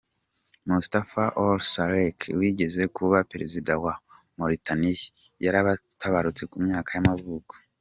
Mustafa Ould Salek, wigeze kuba perezida wa Mauritania yaratabarutse, ku myaka y’amavuko.